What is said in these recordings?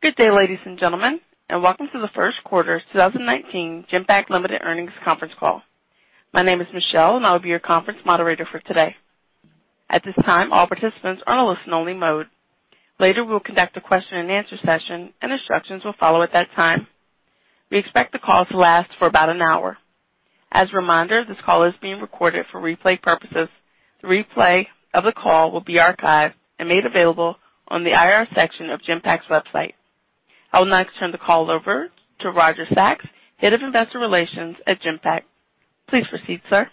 Good day, ladies and gentlemen, welcome to the first quarter 2019 Genpact Limited earnings conference call. My name is Michelle, I will be your conference moderator for today. At this time, all participants are in a listen-only mode. Later, we'll conduct a question and answer session, instructions will follow at that time. We expect the call to last for about an hour. As a reminder, this call is being recorded for replay purposes. The replay of the call will be archived and made available on the IR section of Genpact's website. I will now turn the call over to Roger Sachs, Head of Investor Relations at Genpact. Please proceed, sir.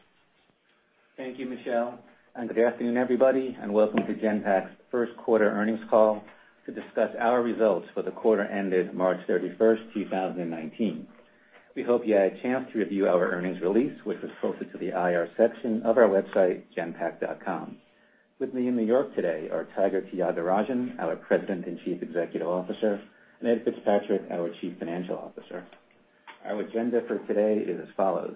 Thank you, Michelle, good afternoon, everybody, welcome to Genpact's first quarter earnings call to discuss our results for the quarter ended March 31st, 2019. We hope you had a chance to review our earnings release, which was posted to the IR section of our website, genpact.com. With me in New York today are Tiger Tyagarajan, our President and Chief Executive Officer, Ed, our Chief Financial Officer. Our agenda for today is as follows.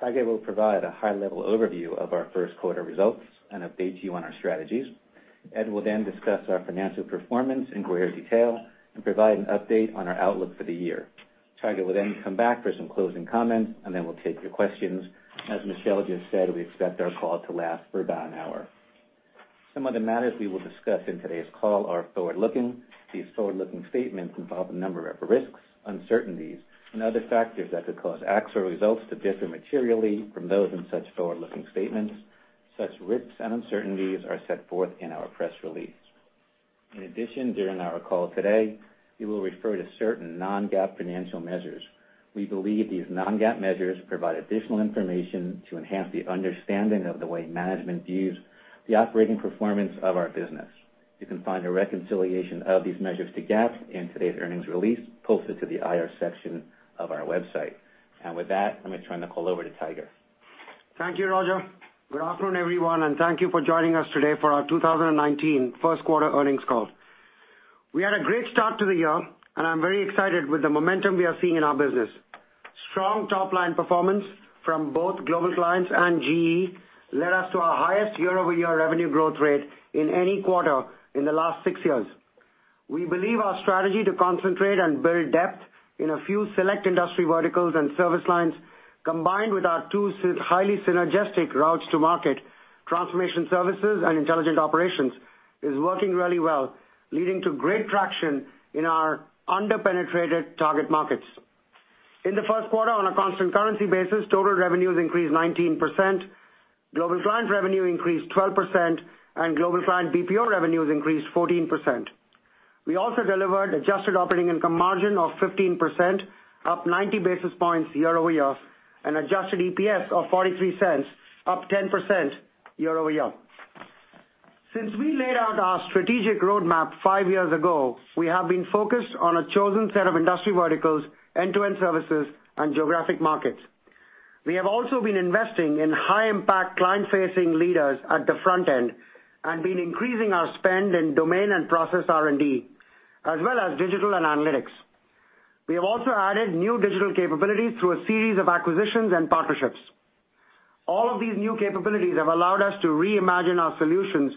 Tiger will provide a high-level overview of our first quarter results and update you on our strategies. Ed will discuss our financial performance in greater detail and provide an update on our outlook for the year. Tiger will come back for some closing comments, we'll take your questions. As Michelle just said, we expect our call to last for about an hour. Some of the matters we will discuss in today's call are forward-looking. These forward-looking statements involve a number of risks, uncertainties, and other factors that could cause actual results to differ materially from those in such forward-looking statements. Such risks and uncertainties are set forth in our press release. In addition, during our call today, we will refer to certain non-GAAP financial measures. We believe these non-GAAP measures provide additional information to enhance the understanding of the way management views the operating performance of our business. You can find a reconciliation of these measures to GAAP in today's earnings release posted to the IR section of our website. With that, let me turn the call over to Tiger. Thank you, Roger. Good afternoon, everyone, thank you for joining us today for our 2019 first quarter earnings call. We had a great start to the year, I'm very excited with the momentum we are seeing in our business. Strong top-line performance from both global clients and GE led us to our highest year-over-year revenue growth rate in any quarter in the last six years. We believe our strategy to concentrate and build depth in a few select industry verticals and service lines, combined with our two highly synergistic routes to market, transformation services and intelligent operations, is working really well, leading to great traction in our under-penetrated target markets. In the first quarter, on a constant currency basis, total revenues increased 19%, global clients revenue increased 12%, global client BPO revenues increased 14%. We also delivered adjusted operating income margin of 15%, up 90 basis points year-over-year, and adjusted EPS of $0.43, up 10% year-over-year. Since we laid out our strategic roadmap five years ago, we have been focused on a chosen set of industry verticals, end-to-end services, and geographic markets. We have also been investing in high-impact client-facing leaders at the front end and been increasing our spend in domain and process R&D, as well as digital and analytics. We have also added new digital capabilities through a series of acquisitions and partnerships. All of these new capabilities have allowed us to reimagine our solutions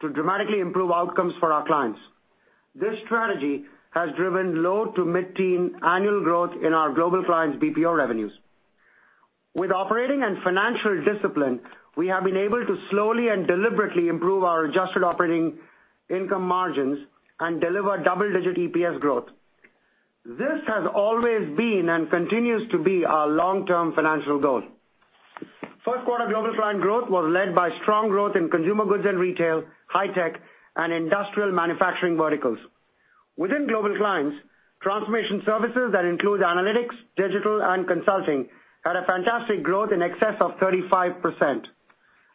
to dramatically improve outcomes for our clients. This strategy has driven low to mid-teen annual growth in our global clients' BPO revenues. With operating and financial discipline, we have been able to slowly and deliberately improve our adjusted operating income margins and deliver double-digit EPS growth. This has always been and continues to be our long-term financial goal. First quarter global client growth was led by strong growth in consumer goods and retail, high tech, and industrial manufacturing verticals. Within global clients, transformation services that include analytics, digital, and consulting had a fantastic growth in excess of 35%.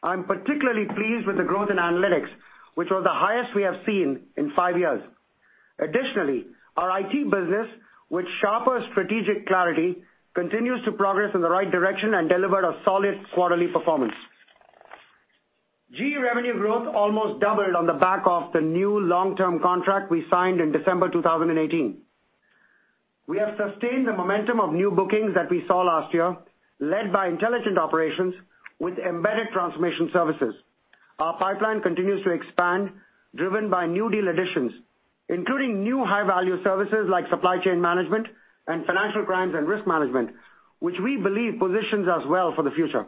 I'm particularly pleased with the growth in analytics, which was the highest we have seen in five years. Additionally, our IT business, with sharper strategic clarity, continues to progress in the right direction and delivered a solid quarterly performance. GE revenue growth almost doubled on the back of the new long-term contract we signed in December 2018. We have sustained the momentum of new bookings that we saw last year, led by intelligent operations with embedded transformation services. Our pipeline continues to expand, driven by new deal additions, including new high-value services like supply chain management and financial crimes and risk management, which we believe positions us well for the future.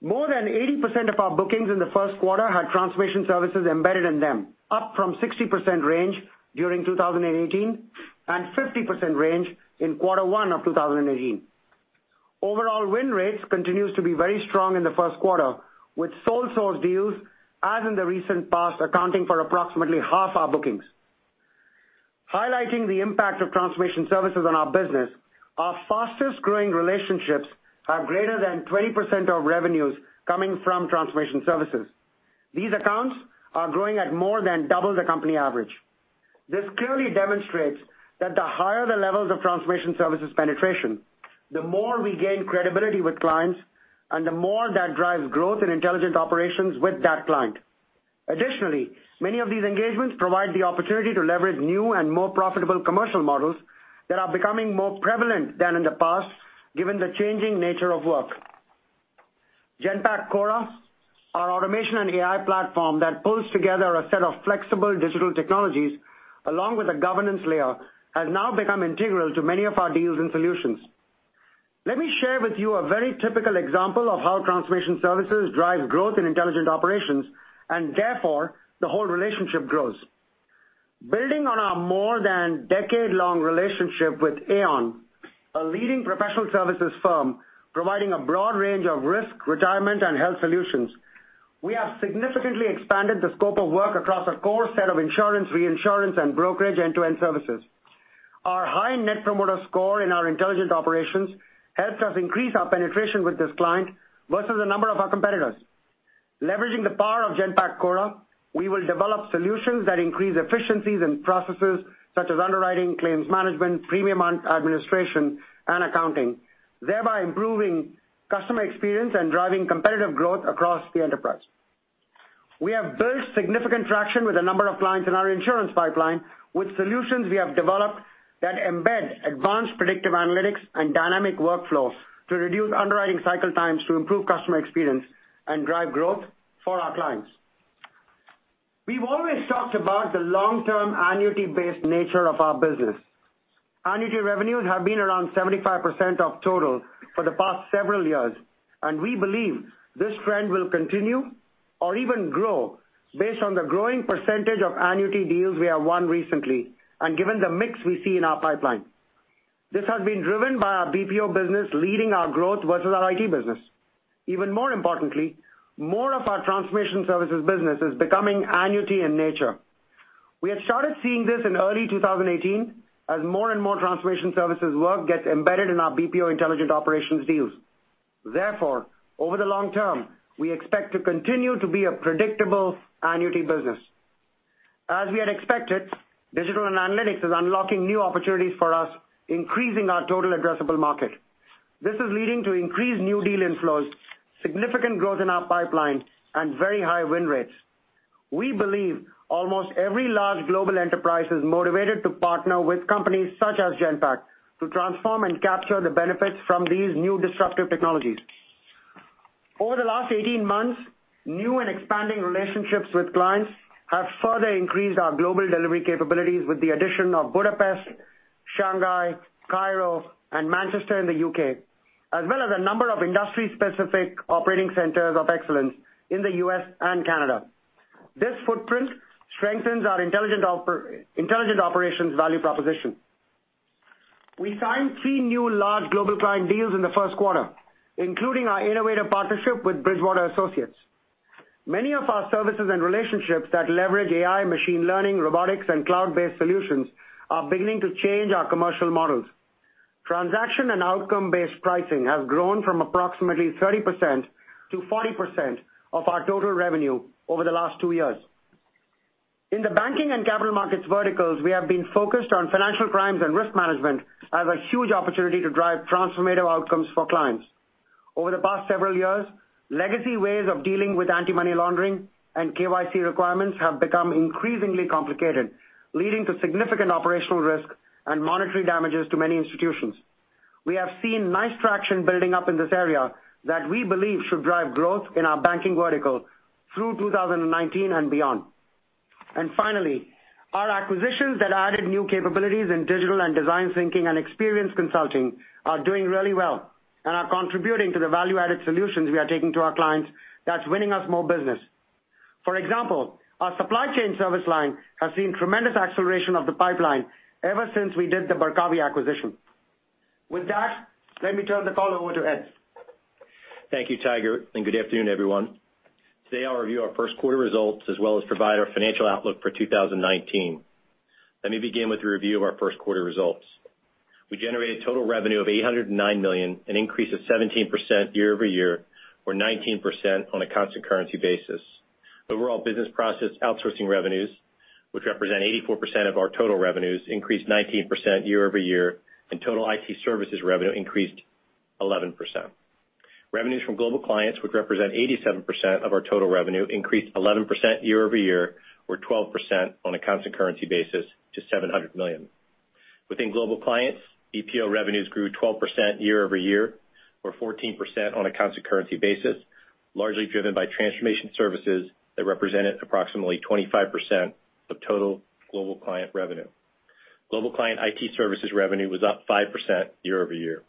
More than 80% of our bookings in the first quarter had transformation services embedded in them, up from 60% range during 2018 and 50% range in quarter one of 2018. Overall win rates continues to be very strong in the first quarter, with sole source deals, as in the recent past, accounting for approximately half our bookings. Highlighting the impact of transformation services on our business, our fastest-growing relationships have greater than 20% of revenues coming from transformation services. These accounts are growing at more than double the company average. This clearly demonstrates that the higher the levels of transformation services penetration, the more we gain credibility with clients and the more that drives growth in intelligent operations with that client. Additionally, many of these engagements provide the opportunity to leverage new and more profitable commercial models that are becoming more prevalent than in the past, given the changing nature of work. Genpact Cora, our automation and AI platform that pulls together a set of flexible digital technologies along with a governance layer, has now become integral to many of our deals and solutions. Let me share with you a very typical example of how transformation services drives growth in intelligent operations, and therefore, the whole relationship grows. Building on our more than decade-long relationship with Aon, a leading professional services firm providing a broad range of risk, retirement, and health solutions, we have significantly expanded the scope of work across a core set of insurance, reinsurance, and brokerage end-to-end services. Our high net promoter score in our intelligent operations helps us increase our penetration with this client versus a number of our competitors. Leveraging the power of Genpact Cora, we will develop solutions that increase efficiencies in processes such as underwriting, claims management, premium administration, and accounting, thereby improving customer experience and driving competitive growth across the enterprise. We have built significant traction with a number of clients in our insurance pipeline with solutions we have developed that embed advanced predictive analytics and dynamic workflows to reduce underwriting cycle times to improve customer experience and drive growth for our clients. We've always talked about the long-term annuity-based nature of our business. Annuity revenues have been around 75% of total for the past several years, and we believe this trend will continue or even grow based on the growing percentage of annuity deals we have won recently and given the mix we see in our pipeline. This has been driven by our BPO business leading our growth versus our IT business. Even more importantly, more of our transformation services business is becoming annuity in nature. We had started seeing this in early 2018 as more and more transformation services work gets embedded in our BPO intelligent operations deals. Over the long term, we expect to continue to be a predictable annuity business. Digital and analytics is unlocking new opportunities for us, increasing our total addressable market. This is leading to increased new deal inflows, significant growth in our pipeline, and very high win rates. We believe almost every large global enterprise is motivated to partner with companies such as Genpact to transform and capture the benefits from these new disruptive technologies. Over the last 18 months, new and expanding relationships with clients have further increased our global delivery capabilities with the addition of Budapest, Shanghai, Cairo, and Manchester in the U.K., as well as a number of industry-specific operating centers of excellence in the U.S. and Canada. This footprint strengthens our intelligent operations value proposition. We signed three new large global client deals in the first quarter, including our innovative partnership with Bridgewater Associates. Many of our services and relationships that leverage AI, machine learning, robotics, and cloud-based solutions are beginning to change our commercial models. Transaction and outcome-based pricing has grown from approximately 30%-40% of our total revenue over the last two years. In the banking and capital markets verticals, we have been focused on financial crimes and risk management as a huge opportunity to drive transformative outcomes for clients. Over the past several years, legacy ways of dealing with anti-money laundering and KYC requirements have become increasingly complicated, leading to significant operational risk and monetary damages to many institutions. We have seen nice traction building up in this area that we believe should drive growth in our banking vertical through 2019 and beyond. Finally, our acquisitions that added new capabilities in digital and design thinking and experience consulting are doing really well and are contributing to the value-added solutions we are taking to our clients that's winning us more business. For example, our supply chain service line has seen tremendous acceleration of the pipeline ever since we did the Barkawi acquisition. With that, let me turn the call over to Ed. Thank you, Tiger. Good afternoon, everyone. Today, I'll review our first quarter results as well as provide our financial outlook for 2019. Let me begin with a review of our first quarter results. We generated total revenue of $809 million, an increase of 17% year-over-year, or 19% on a constant currency basis. Overall business process outsourcing revenues, which represent 84% of our total revenues, increased 19% year-over-year. Total IT services revenue increased 11%. Revenues from global clients, which represent 87% of our total revenue, increased 11% year-over-year, or 12% on a constant currency basis to $700 million. Within global clients, BPO revenues grew 12% year-over-year, or 14% on a constant currency basis, largely driven by transformation services that represented approximately 25% of total global client revenue. Global client IT services revenue was up 5% year-over-year.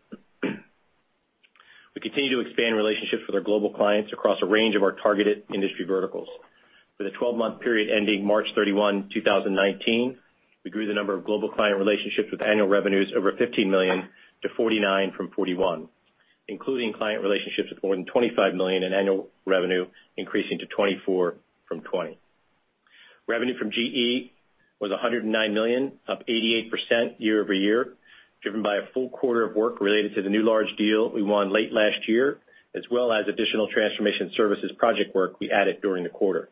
We continue to expand relationships with our global clients across a range of our targeted industry verticals. For the 12-month period ending March 31, 2019, we grew the number of global client relationships with annual revenues over $15 million to 49 from 41, including client relationships with more than $25 million in annual revenue, increasing to 24 from 20. Revenue from GE was $109 million, up 88% year-over-year, driven by a full quarter of work related to the new large deal we won late last year, as well as additional transformation services project work we added during the quarter.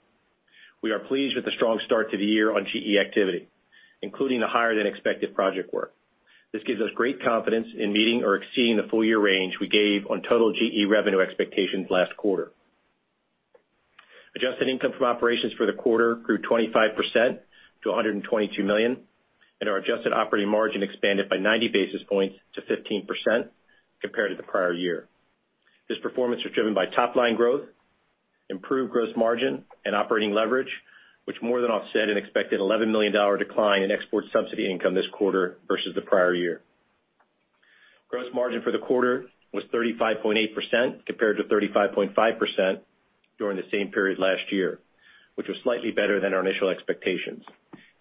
We are pleased with the strong start to the year on GE activity, including the higher-than-expected project work. This gives us great confidence in meeting or exceeding the full-year range we gave on total GE revenue expectations last quarter. Adjusted income from operations for the quarter grew 25% to $122 million. Our adjusted operating margin expanded by 90 basis points to 15% compared to the prior year. This performance was driven by top-line growth, improved gross margin, and operating leverage, which more than offset an expected $11 million decline in export subsidy income this quarter versus the prior year. Gross margin for the quarter was 35.8%, compared to 35.5% during the same period last year, which was slightly better than our initial expectations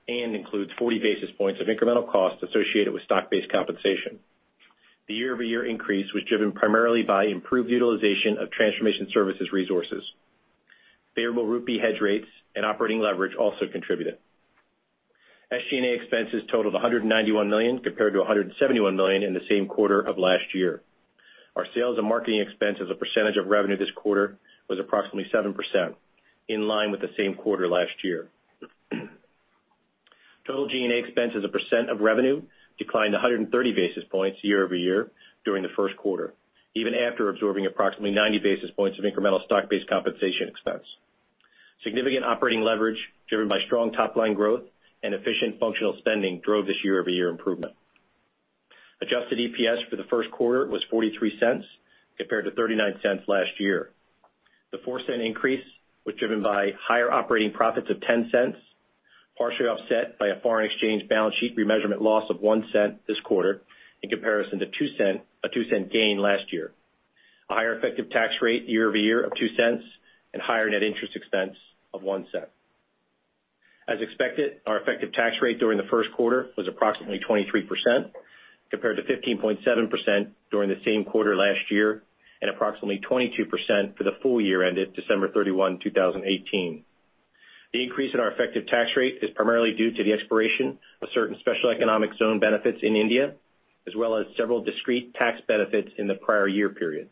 and includes 40 basis points of incremental costs associated with stock-based compensation. The year-over-year increase was driven primarily by improved utilization of transformation services resources. Favorable rupee hedge rates and operating leverage also contributed. SG&A expenses totaled $191 million, compared to $171 million in the same quarter of last year. Our sales and marketing expense as a percentage of revenue this quarter was approximately 7%, in line with the same quarter last year. Total G&A expense as a percent of revenue declined 130 basis points year-over-year during the first quarter, even after absorbing approximately 90 basis points of incremental stock-based compensation expense. Significant operating leverage, driven by strong top-line growth and efficient functional spending, drove this year-over-year improvement. Adjusted EPS for the first quarter was $0.43 compared to $0.39 last year. The $0.04 increase was driven by higher operating profits of $0.10, partially offset by a foreign exchange balance sheet remeasurement loss of $0.01 this quarter in comparison to a $0.02 gain last year. A higher effective tax rate year-over-year of $0.02 and higher net interest expense of $0.01. As expected, our effective tax rate during the first quarter was approximately 23%, compared to 15.7% during the same quarter last year, and approximately 22% for the full year ended December 31, 2018. The increase in our effective tax rate is primarily due to the expiration of certain special economic zone benefits in India, as well as several discrete tax benefits in the prior year period.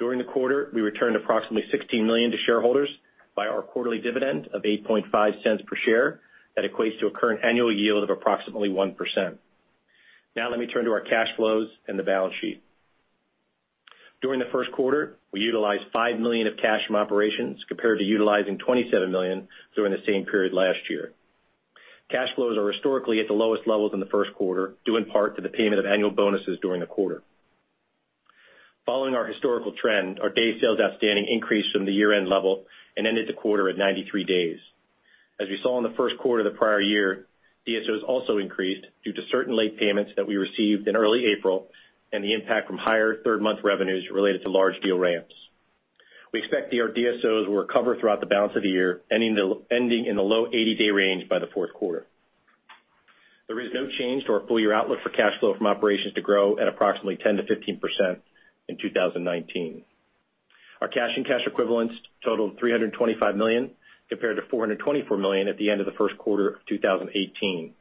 During the quarter, we returned approximately $16 million to shareholders by our quarterly dividend of $0.085 per share. That equates to a current annual yield of approximately 1%. Now let me turn to our cash flows and the balance sheet. During the first quarter, we utilized $5 million of cash from operations compared to utilizing $27 million during the same period last year. Cash flows are historically at the lowest levels in the first quarter, due in part to the payment of annual bonuses during the quarter. Following our historical trend, our Days Sales Outstanding increased from the year-end level and ended the quarter at 93 days. As we saw in the first quarter of the prior year, DSOs also increased due to certain late payments that we received in early April and the impact from higher third-month revenues related to large deal ramps. We expect our DSOs will recover throughout the balance of the year, ending in the low 80-day range by the fourth quarter. There is no change to our full-year outlook for cash flow from operations to grow at approximately 10%-15% in 2019. Our cash and cash equivalents totaled $325 million, compared to $424 million at the end of the first quarter of 2018.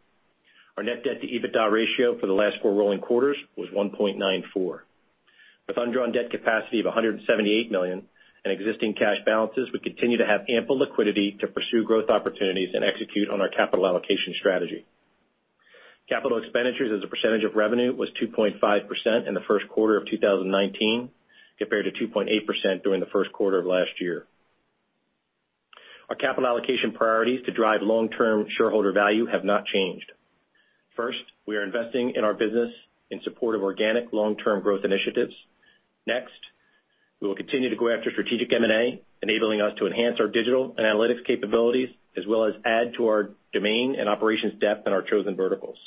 Our net debt to EBITDA ratio for the last four rolling quarters was 1.94. With undrawn debt capacity of $178 million and existing cash balances, we continue to have ample liquidity to pursue growth opportunities and execute on our capital allocation strategy. Capital expenditures as a percentage of revenue was 2.5% in the first quarter of 2019, compared to 2.8% during the first quarter of last year. Our capital allocation priorities to drive long-term shareholder value have not changed. First, we are investing in our business in support of organic long-term growth initiatives. Next, we will continue to go after strategic M&A, enabling us to enhance our digital and analytics capabilities, as well as add to our domain and operations depth in our chosen verticals.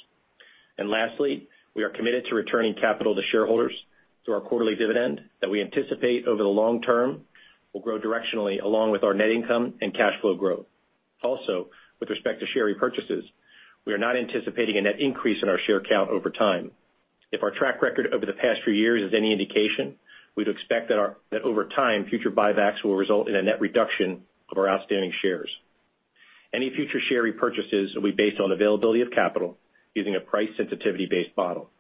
Lastly, we are committed to returning capital to shareholders through our quarterly dividend that we anticipate over the long term will grow directionally along with our net income and cash flow growth. Also, with respect to share repurchases, we are not anticipating a net increase in our share count over time. If our track record over the past few years is any indication, we'd expect that over time, future buybacks will result in a net reduction of our outstanding shares. Any future share repurchases will be based on availability of capital using a price sensitivity-based model.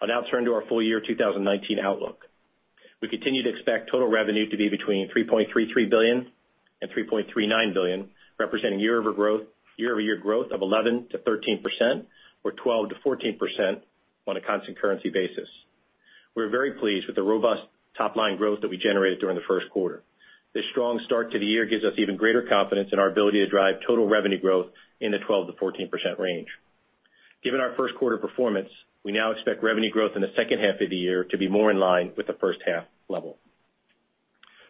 I'll now turn to our full-year 2019 outlook. We continue to expect total revenue to be between $3.33 billion and $3.39 billion, representing year-over-year growth of 11%-13%, or 12%-14% on a constant currency basis. We're very pleased with the robust top-line growth that we generated during the first quarter. This strong start to the year gives us even greater confidence in our ability to drive total revenue growth in the 12%-14% range. Given our first quarter performance, we now expect revenue growth in the second half of the year to be more in line with the first half level.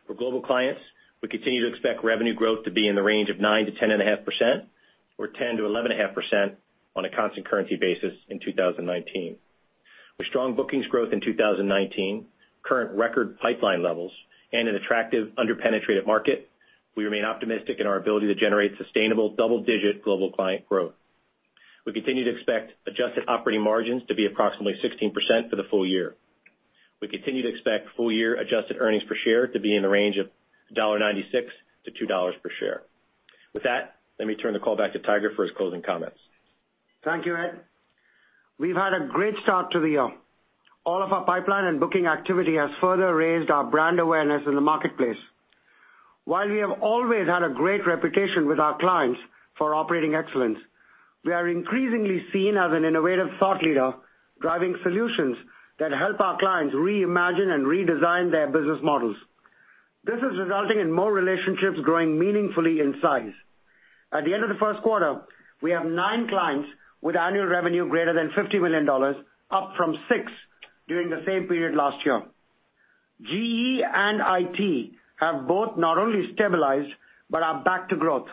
For global clients, we continue to expect revenue growth to be in the range of 9%-10.5%, or 10%-11.5% on a constant currency basis in 2019. With strong bookings growth in 2019, current record pipeline levels, and an attractive under-penetrated market, we remain optimistic in our ability to generate sustainable double-digit global client growth. We continue to expect adjusted operating margins to be approximately 16% for the full year. We continue to expect full-year adjusted earnings per share to be in the range of $1.96-$2 per share. With that, let me turn the call back to Tiger for his closing comments. Thank you, Ed. We've had a great start to the year. All of our pipeline and booking activity has further raised our brand awareness in the marketplace. While we have always had a great reputation with our clients for operating excellence, we are increasingly seen as an innovative thought leader, driving solutions that help our clients reimagine and redesign their business models. This is resulting in more relationships growing meaningfully in size. At the end of the first quarter, we have nine clients with annual revenue greater than $50 million, up from six during the same period last year. GE and IT have both not only stabilized, but are back to growth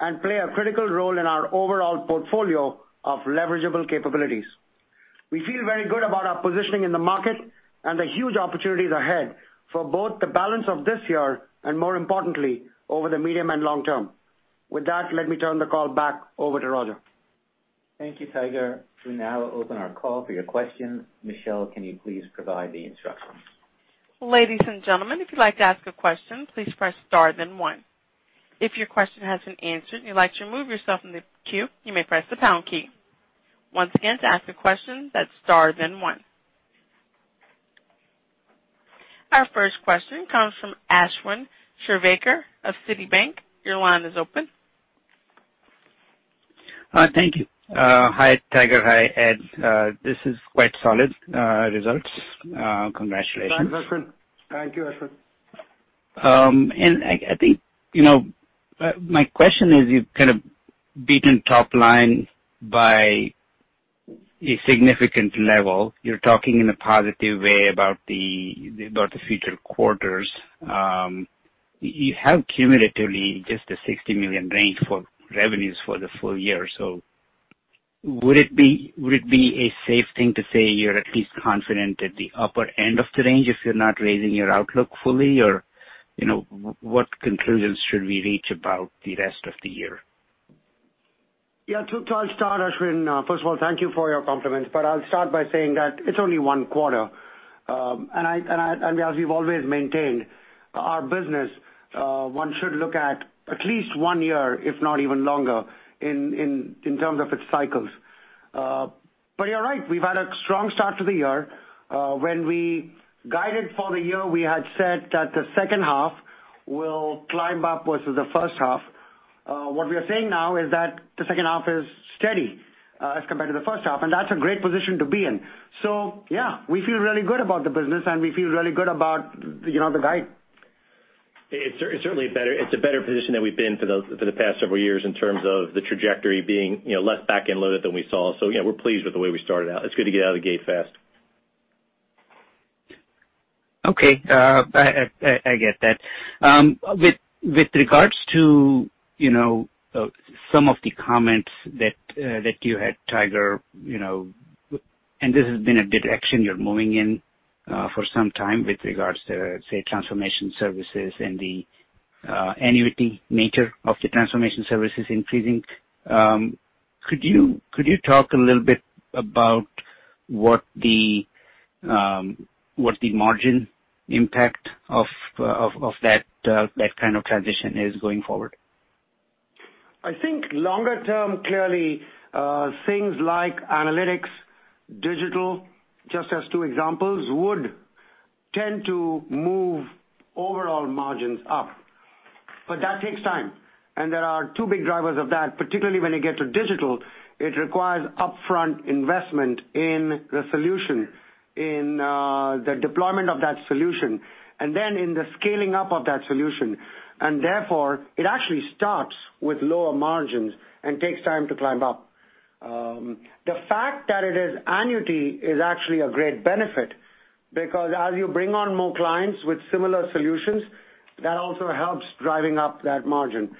and play a critical role in our overall portfolio of leverageable capabilities. We feel very good about our positioning in the market and the huge opportunities ahead for both the balance of this year and, more importantly, over the medium and long term. With that, let me turn the call back over to Roger. Thank you, Tiger. We now open our call for your questions. Michelle, can you please provide the instructions? Ladies and gentlemen, if you'd like to ask a question, please press star then one. If your question has been answered, and you'd like to remove yourself from the queue, you may press the pound key. Once again, to ask a question, that's star then one. Our first question comes from Ashwin Shirvaikar of Citi. Your line is open. Thank you. Hi, Tiger. Hi, Ed. This is quite solid results. Congratulations. Thanks, Ashwin. Thank you, Ashwin. I think my question is, you've kind of beaten top line by a significant level. You're talking in a positive way about the future quarters. You have cumulatively just a $60 million range for revenues for the full year. Would it be a safe thing to say you're at least confident at the upper end of the range if you're not raising your outlook fully? What conclusions should we reach about the rest of the year? I'll start, Ashwin. First of all, thank you for your compliments, but I'll start by saying that it's only one quarter. As we've always maintained, our business, one should look at least one year, if not even longer, in terms of its cycles. You're right, we've had a strong start to the year. When we guided for the year, we had said that the second half will climb up versus the first half. What we are saying now is that the second half is steady as compared to the first half, and that's a great position to be in. We feel really good about the business and we feel really good about the guide. It's certainly a better position than we've been for the past several years in terms of the trajectory being less back-end loaded than we saw. Yeah, we're pleased with the way we started out. It's good to get out of the gate fast. Okay. I get that. With regards to some of the comments that you had, Tiger, this has been a direction you're moving in for some time with regards to, say, transformation services and the annuity nature of the transformation services increasing, could you talk a little bit about what the margin impact of that kind of transition is going forward? I think longer term, clearly, things like analytics, digital, just as two examples, would tend to move overall margins up. That takes time, and there are two big drivers of that. Particularly when it gets to digital, it requires upfront investment in the solution, in the deployment of that solution, and then in the scaling up of that solution. Therefore, it actually starts with lower margins and takes time to climb up. The fact that it is annuity is actually a great benefit, because as you bring on more clients with similar solutions, that also helps driving up that margin.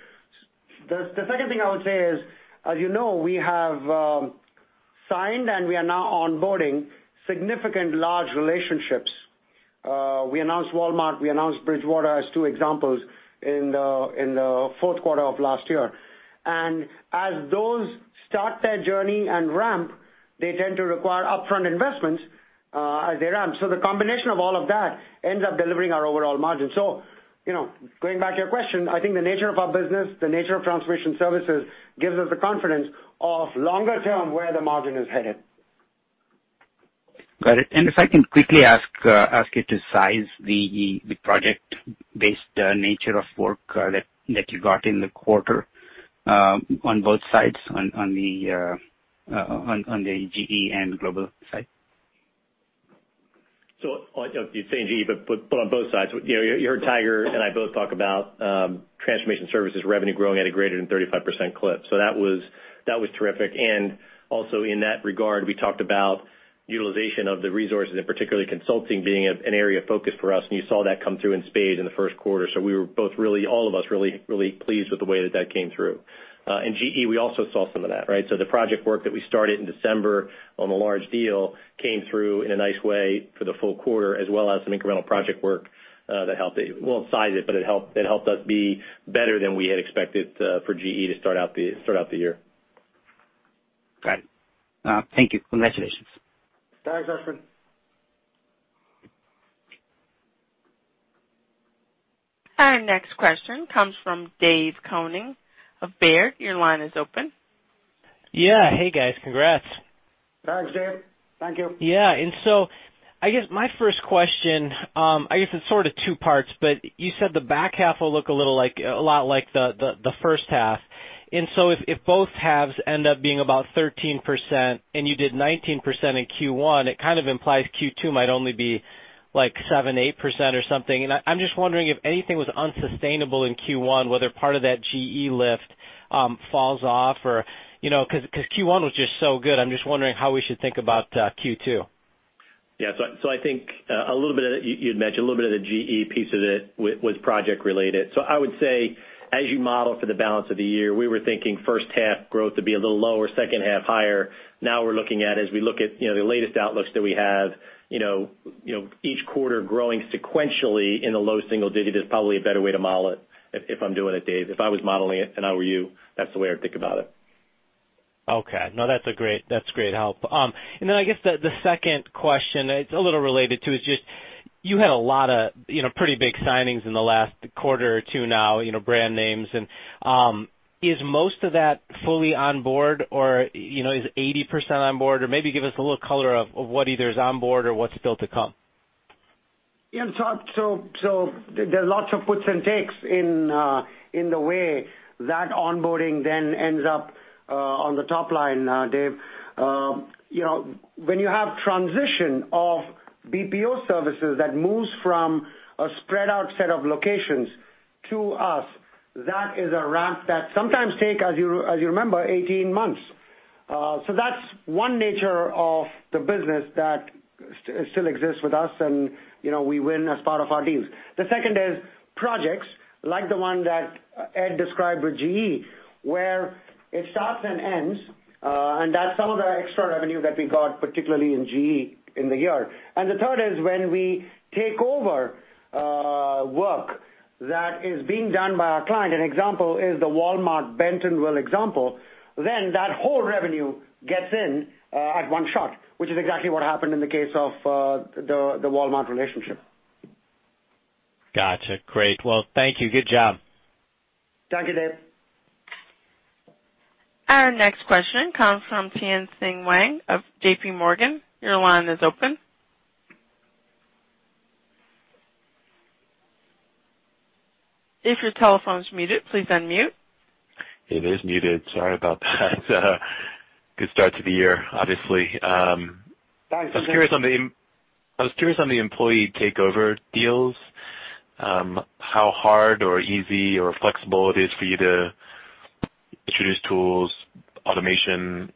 The second thing I would say is, as you know, we have signed and we are now onboarding significant large relationships. We announced Walmart, we announced Bridgewater as two examples in the fourth quarter of last year. As those start their journey and ramp, they tend to require upfront investments as they ramp. The combination of all of that ends up delivering our overall margin. Going back to your question, I think the nature of our business, the nature of transformation services, gives us the confidence of longer term where the margin is headed. Got it. If I can quickly ask you to size the project-based nature of work that you got in the quarter on both sides, on the GE and global side. You're saying GE, on both sides. You heard Tiger and I both talk about transformation services revenue growing at a greater than 35% clip. That was terrific. Also in that regard, we talked about utilization of the resources, particularly consulting being an area of focus for us, you saw that come through in spades in the first quarter. We were both, all of us, really pleased with the way that that came through. In GE, we also saw some of that, right? The project work that we started in December on the large deal came through in a nice way for the full quarter as well as some incremental project work that helped. We won't size it, but it helped us be better than we had expected for GE to start out the year. Got it. Thank you. Congratulations. Thanks, Ashwin. Our next question comes from David Koning of Baird. Your line is open. Yeah. Hey, guys. Congrats. Thanks, Dave. Thank you. Yeah. I guess my first question, I guess it's sort of two parts, you said the back half will look a lot like the first half. If both halves end up being about 13% and you did 19% in Q1, it kind of implies Q2 might only be 7%, 8% or something. I'm just wondering if anything was unsustainable in Q1, whether part of that GE lift falls off or Because Q1 was just so good, I'm just wondering how we should think about Q2. Yeah. I think a little bit of, you'd mentioned, a little bit of the GE piece of it was project related. I would say, as you model for the balance of the year, we were thinking first half growth to be a little lower, second half higher. We're looking at, as we look at the latest outlooks that we have, each quarter growing sequentially in the low single digit is probably a better way to model it, if I'm doing it, David. If I was modeling it and I were you, that's the way I'd think about it. Okay. No, that's great help. Then I guess the second question, it's a little related too, is just, you had a lot of pretty big signings in the last quarter or two now, brand names, is most of that fully on board or is 80% on board? Maybe give us a little color of what either is on board or what's still to come. Yeah. There are lots of puts and takes in the way that onboarding then ends up on the top line, David. When you have transition of BPO services that moves from a spread out set of locations to us, that is a ramp that sometimes take, as you remember, 18 months. That's one nature of the business that still exists with us, and we win as part of our deals. The second is projects, like the one that Ed described with GE, where it starts and ends, and that's some of the extra revenue that we got, particularly in GE in the year. The third is when we take over work that is being done by our client, an example is the Walmart Bentonville example, then that whole revenue gets in at one shot, which is exactly what happened in the case of the Walmart relationship. Got you. Great. Well, thank you. Good job. Thank you, Dave. Our next question comes from Tien-Tsin Huang of JPMorgan. Your line is open. If your telephone's muted, please unmute. It is muted. Sorry about that. Good start to the year, obviously. Thanks. I was curious on the employee takeover deals, how hard or easy or flexible it is for you to introduce tools, automation,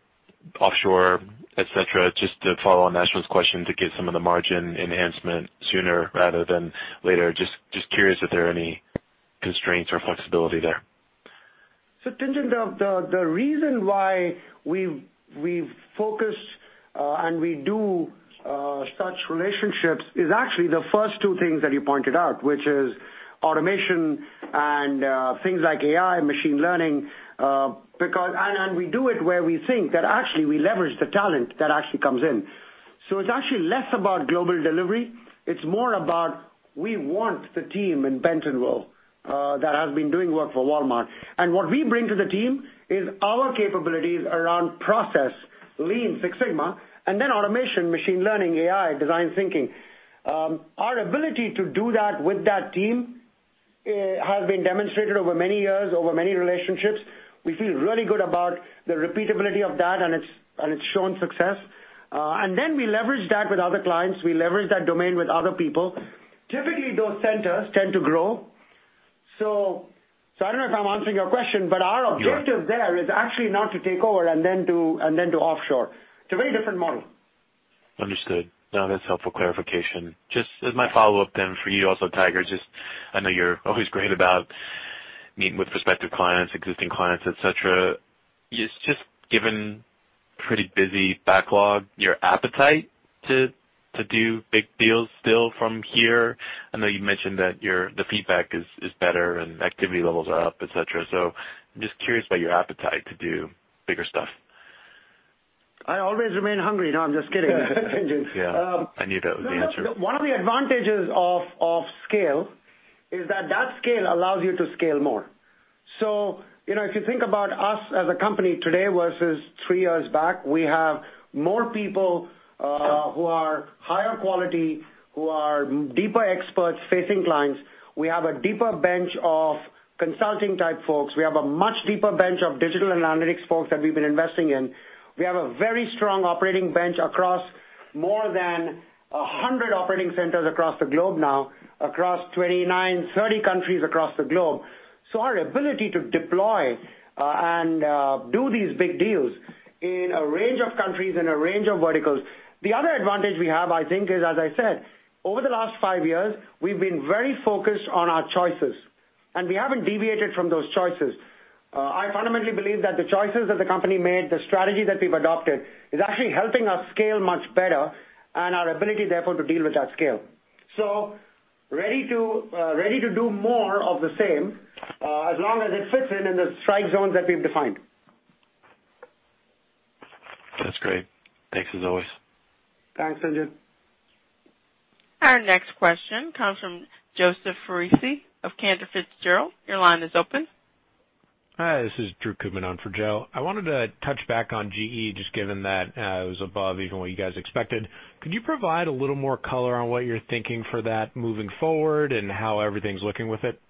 offshore, et cetera, just to follow on Ashwin's question to get some of the margin enhancement sooner rather than later. Just curious if there are any constraints or flexibility there. Tien-Tsin, the reason why we've focused, and we do such relationships is actually the first two things that you pointed out, which is automation and things like AI, machine learning, and we do it where we think that actually we leverage the talent that actually comes in. It's actually less about global delivery, it's more about, we want the team in Bentonville, that has been doing work for Walmart. What we bring to the team is our capabilities around process, Lean, Six Sigma, and then automation, machine learning, AI, design thinking. Our ability to do that with that team has been demonstrated over many years, over many relationships. We feel really good about the repeatability of that, and it's shown success. Then we leverage that with other clients. We leverage that domain with other people. Typically, those centers tend to grow. I don't know if I'm answering your question, but our objective there is actually not to take over and then to offshore. It's a very different model. Understood. No, that's helpful clarification. Just as my follow-up then for you also, Tiger, just I know you're always great about meeting with prospective clients, existing clients, et cetera. Just given pretty busy backlog, your appetite to do big deals still from here. I know you mentioned that the feedback is better and activity levels are up, et cetera. Just curious about your appetite to do bigger stuff. I always remain hungry. No, I'm just kidding, Tien-Tsin. Yeah. I knew that was the answer. One of the advantages of scale is that that scale allows you to scale more. If you think about us as a company today versus three years back, we have more people, who are higher quality, who are deeper experts facing clients. We have a deeper bench of consulting type folks. We have a much deeper bench of digital and analytics folks that we've been investing in. We have a very strong operating bench across more than 100 operating centers across the globe now, across 29, 30 countries across the globe. Our ability to deploy and do these big deals in a range of countries, in a range of verticals. The other advantage we have, I think is, as I said, over the last five years, we've been very focused on our choices, and we haven't deviated from those choices. I fundamentally believe that the choices that the company made, the strategy that we've adopted is actually helping us scale much better and our ability, therefore, to deal with that scale. Ready to do more of the same, as long as it fits in the strike zones that we've defined. That's great. Thanks as always. Thanks, Tien-Tsin. Our next question comes from Joseph Foresi of Cantor Fitzgerald. Your line is open. Hi, this is Drew Kootman on for Joe. I wanted to touch back on GE, just given that it was above even what you guys expected. Could you provide a little more color on what you're thinking for that moving forward and how everything's looking with it?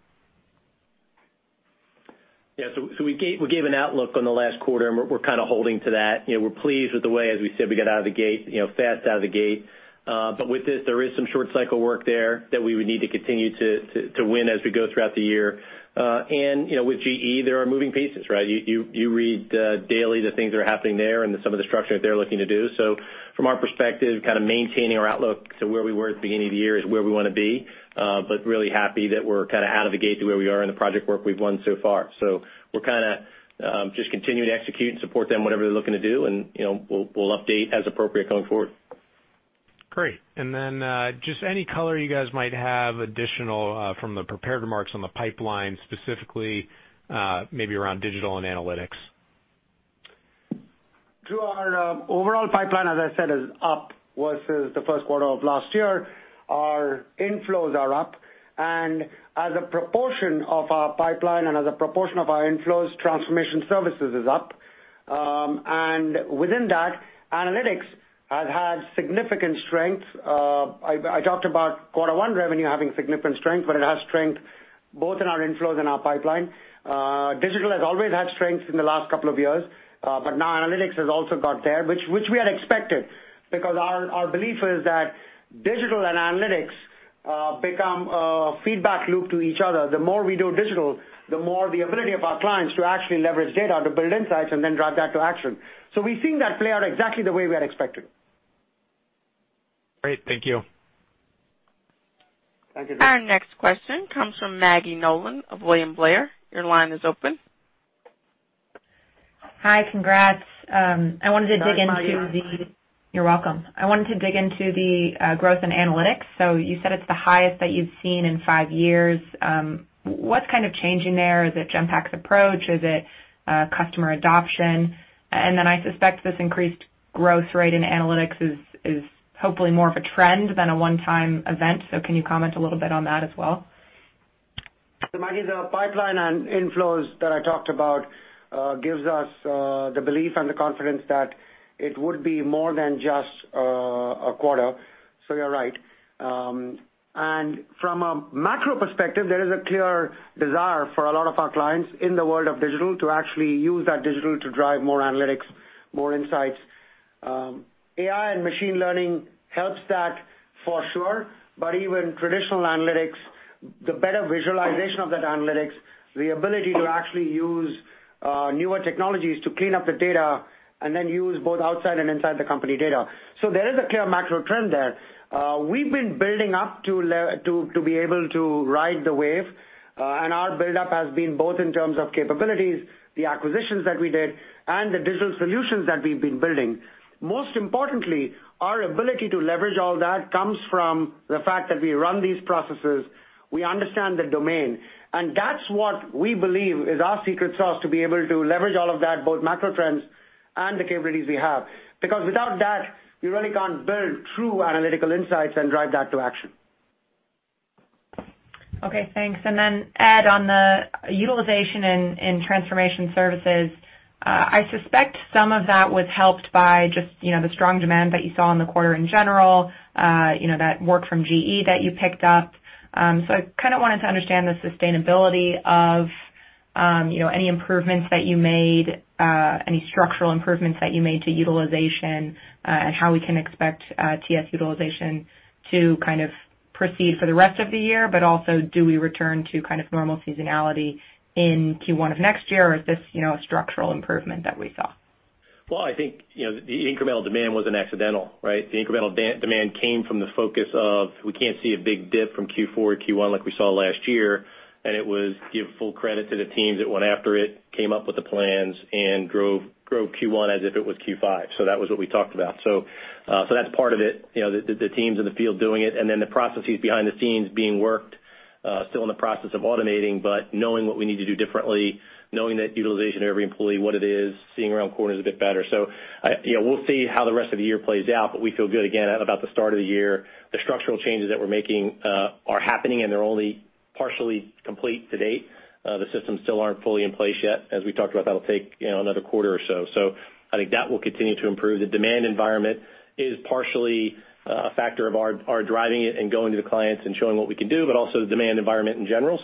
Yeah. We gave an outlook on the last quarter, and we're kind of holding to that. We're pleased with the way, as we said, we got out of the gate, fast out of the gate. With this, there is some short cycle work there that we would need to continue to win as we go throughout the year. With GE, there are moving pieces, right? You read daily the things that are happening there and some of the structuring that they're looking to do. From our perspective, kind of maintaining our outlook to where we were at the beginning of the year is where we want to be. Really happy that we're kind of out of the gate to where we are and the project work we've won so far. We're kind of just continuing to execute and support them, whatever they're looking to do, and we'll update as appropriate going forward. Great. Then, just any color you guys might have additional from the prepared remarks on the pipeline, specifically, maybe around digital and analytics. Drew, our overall pipeline, as I said, is up versus the first quarter of last year. Our inflows are up, and as a proportion of our pipeline and as a proportion of our inflows, transformation services is up. Within that, analytics has had significant strength. I talked about quarter one revenue having significant strength, but it has strength both in our inflows and our pipeline. Digital has always had strength in the last couple of years. Now analytics has also got there, which we had expected, because our belief is that digital and analytics become a feedback loop to each other. The more we do digital, the more the ability of our clients to actually leverage data to build insights and then drive that to action. We're seeing that play out exactly the way we had expected. Great. Thank you. Thank you. Our next question comes from Maggie Nolan of William Blair. Your line is open. Hi. Congrats. Hi, Maggie. You're welcome. I wanted to dig into the growth in analytics. You said it's the highest that you've seen in five years. What's kind of changing there? Is it Genpact's approach? Is it customer adoption? I suspect this increased growth rate in analytics is hopefully more of a trend than a one-time event. Can you comment a little bit on that as well? Maggie, the pipeline and inflows that I talked about gives us the belief and the confidence that it would be more than just a quarter. You're right. From a macro perspective, there is a clear desire for a lot of our clients in the world of digital to actually use that digital to drive more analytics, more insights. AI and machine learning helps that for sure, but even traditional analytics, the better visualization of that analytics, the ability to actually use newer technologies to clean up the data and then use both outside and inside the company data. There is a clear macro trend there. We've been building up to be able to ride the wave, and our buildup has been both in terms of capabilities, the acquisitions that we did, and the digital solutions that we've been building. Most importantly, our ability to leverage all that comes from the fact that we run these processes, we understand the domain, and that's what we believe is our secret sauce to be able to leverage all of that, both macro trends and the capabilities we have. Because without that, you really can't build true analytical insights and drive that to action. Okay, thanks. Ed, on the utilization in transformation services, I suspect some of that was helped by just the strong demand that you saw in the quarter in general, that work from GE that you picked up. I kind of wanted to understand the sustainability of any improvements that you made, any structural improvements that you made to utilization, and how we can expect TS utilization to kind of proceed for the rest of the year. Also, do we return to kind of normal seasonality in Q1 of next year, or is this a structural improvement that we saw? Well, I think, the incremental demand wasn't accidental, right? The incremental demand came from the focus of, we can't see a big dip from Q4 to Q1 like we saw last year, and it was give full credit to the teams that went after it, came up with the plans, and drove Q1 as if it was Q5. That was what we talked about. That's part of it, the teams in the field doing it, and then the processes behind the scenes being worked, still in the process of automating, but knowing what we need to do differently, knowing that utilization of every employee, what it is, seeing around corners a bit better. We'll see how the rest of the year plays out, but we feel good again about the start of the year. The structural changes that we're making are happening, and they're only partially complete to date. The systems still aren't fully in place yet. As we talked about, that'll take another quarter or so. I think that will continue to improve. The demand environment is partially a factor of our driving it and going to the clients and showing what we can do, but also the demand environment in general.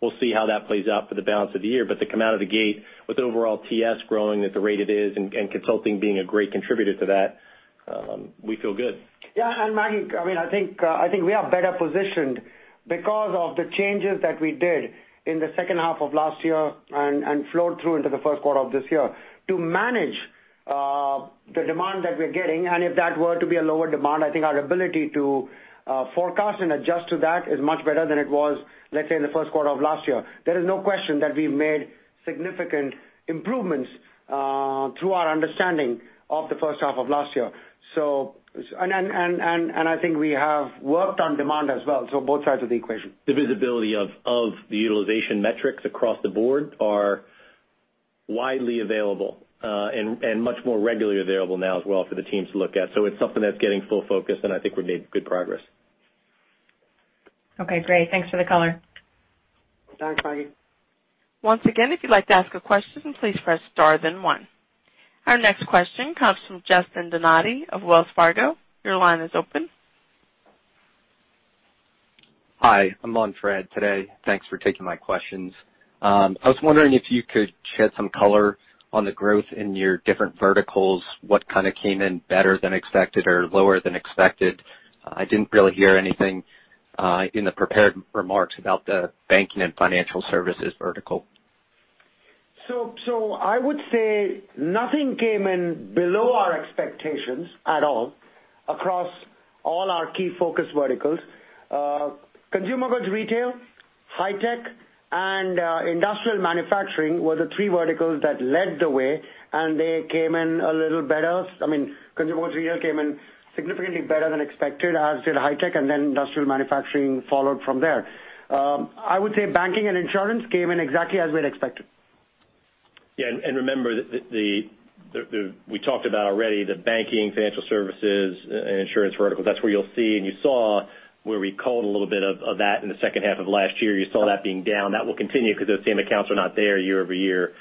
We'll see how that plays out for the balance of the year. To come out of the gate with overall TS growing at the rate it is and consulting being a great contributor to that, we feel good. Yeah, and Maggie, I think we are better positioned because of the changes that we did in the second half of last year and flowed through into the first quarter of this year to manage the demand that we're getting. If that were to be a lower demand, I think our ability to forecast and adjust to that is much better than it was, let's say, in the first quarter of last year. There is no question that we've made significant improvements through our understanding of the first half of last year. I think we have worked on demand as well, so both sides of the equation. The visibility of the utilization metrics across the board are widely available, and much more regularly available now as well for the teams to look at. It's something that's getting full focus, and I think we've made good progress. Okay, great. Thanks for the color. Thanks, Maggie. Once again, if you'd like to ask a question, please press star then one. Our next question comes from Justin Donati of Wells Fargo. Your line is open. Hi, I'm on for Ed today. Thanks for taking my questions. I was wondering if you could shed some color on the growth in your different verticals. What kind of came in better than expected or lower than expected? I didn't really hear anything in the prepared remarks about the banking and financial services vertical. I would say nothing came in below our expectations at all across all our key focus verticals. Consumer goods retail, high tech, and industrial manufacturing were the 3 verticals that led the way, and they came in a little better. Consumer goods retail came in significantly better than expected, as did high tech, and industrial manufacturing followed from there. I would say banking and insurance came in exactly as we had expected. Remember, we talked about already the banking, financial services, and insurance verticals. That's where you'll see, and you saw where we culled a little bit of that in the second half of last year. You saw that being down. That will continue because those same accounts are not there year-over-year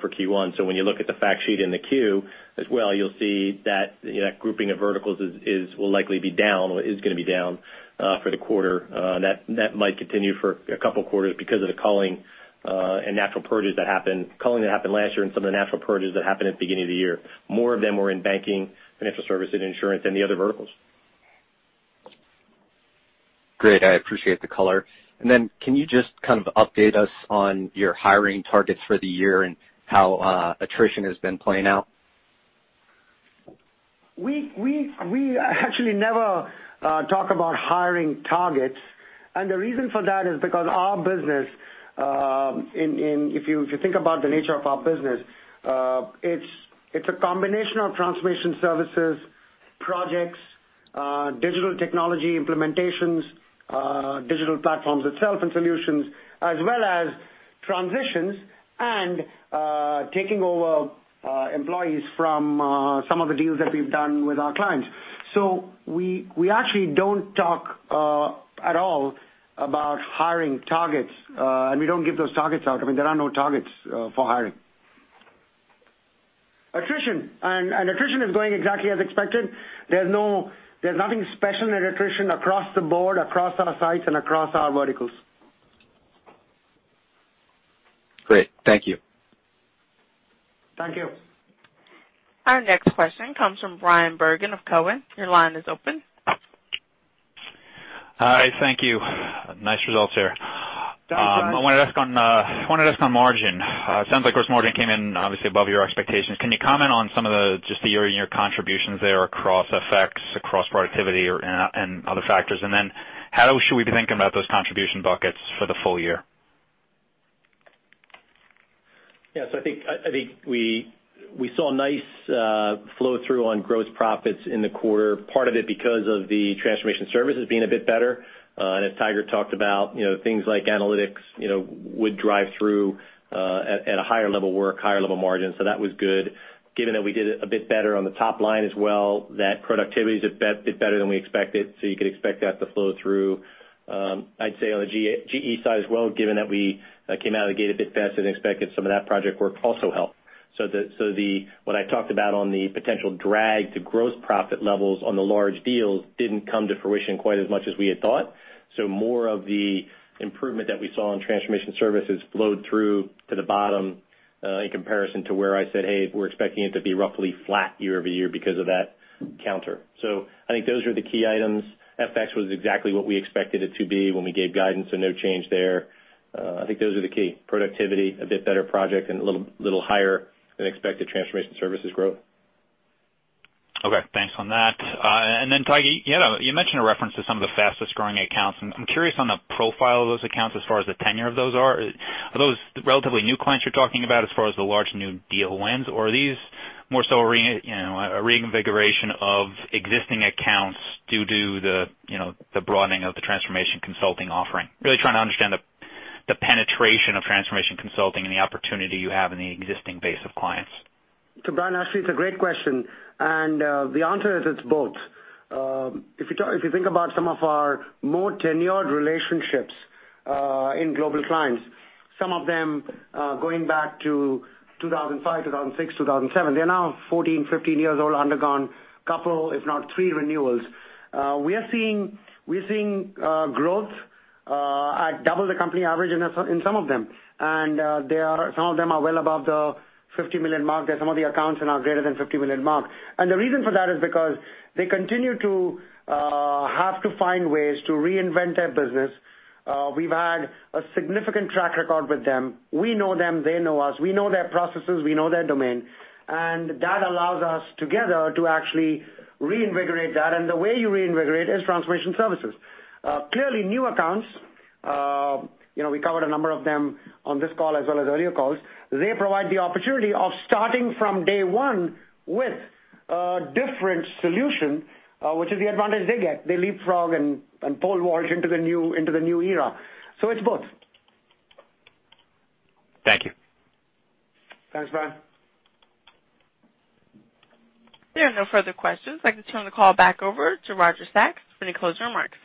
for Q1. When you look at the fact sheet in the Q as well, you'll see that grouping of verticals will likely be down, or is going to be down for the quarter. That might continue for a couple of quarters because of the culling and natural purges that happened, culling that happened last year and some of the natural purges that happened at the beginning of the year. More of them were in banking, financial service, and insurance than the other verticals. Great. I appreciate the color. Can you just update us on your hiring targets for the year and how attrition has been playing out? We actually never talk about hiring targets. The reason for that is because our business, if you think about the nature of our business, it's a combination of transformation services, projects, digital technology implementations, digital platforms itself, and solutions, as well as transitions and taking over employees from some of the deals that we've done with our clients. We actually don't talk at all about hiring targets, and we don't give those targets out. There are no targets for hiring. Attrition. Attrition is going exactly as expected. There's nothing special in attrition across the board, across our sites, and across our verticals. Great. Thank you. Thank you. Our next question comes from Bryan Bergin of Cowen. Your line is open. Hi. Thank you. Nice results here. Thanks, Bryan. I wanted to ask on margin. Sounds like gross margin came in obviously above your expectations. Can you comment on some of the just year-on-year contributions there across effects, across productivity, and other factors? How should we be thinking about those contribution buckets for the full year? I think we saw a nice flow-through on gross profits in the quarter, part of it because of the transformation services being a bit better. As Tiger talked about, things like analytics would drive through at a higher-level work, higher-level margin. That was good. Given that we did a bit better on the top line as well, that productivity is a bit better than we expected, you could expect that to flow through. I'd say on the GE side as well, given that we came out of the gate a bit faster than expected, some of that project work also helped. What I talked about on the potential drag to gross profit levels on the large deals didn't come to fruition quite as much as we had thought. More of the improvement that we saw in transformation services flowed through to the bottom in comparison to where I said, "Hey, we're expecting it to be roughly flat year-over-year because of that counter." I think those are the key items. FX was exactly what we expected it to be when we gave guidance, no change there. I think those are the key. Productivity, a bit better project, and a little higher than expected transformation services growth. Okay. Thanks on that. Tiger, you mentioned a reference to some of the fastest-growing accounts. I'm curious on the profile of those accounts as far as the tenure of those are. Are those relatively new clients you're talking about as far as the large new deal wins? Are these more so a reinvigoration of existing accounts due to the broadening of the transformation consulting offering? Really trying to understand the penetration of transformation consulting and the opportunity you have in the existing base of clients. Bryan, actually, it's a great question. The answer is it's both. If you think about some of our more tenured relationships in global clients, some of them going back to 2005, 2006, 2007, they're now 14, 15 years old, undergone a couple, if not three renewals. We are seeing growth at double the company average in some of them. Some of them are well above the $50 million mark. There's some of the accounts are now greater than $50 million mark. The reason for that is because they continue to have to find ways to reinvent their business. We've had a significant track record with them. We know them, they know us. We know their processes, we know their domain. That allows us together to actually reinvigorate that. The way you reinvigorate is transformation services. Clearly, new accounts, we covered a number of them on this call as well as earlier calls. They provide the opportunity of starting from day one with a different solution, which is the advantage they get. They leapfrog and pole vault into the new era. It's both. Thank you. Thanks, Bryan. There are no further questions. I'd like to turn the call back over to Roger Sachs for any closing remarks.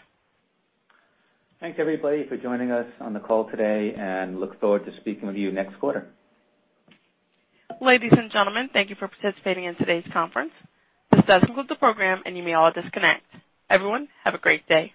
Thanks, everybody, for joining us on the call today, and look forward to speaking with you next quarter. Ladies and gentlemen, thank you for participating in today's conference. This does conclude the program, and you may all disconnect. Everyone, have a great day.